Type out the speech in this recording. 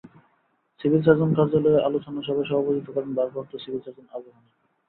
Civil surgeon কার্যালয়ে আলোচনা সভায় সভাপতিত্ব করেন ভারপ্রাপ্ত সিভিল সার্জন আবু হানিফ।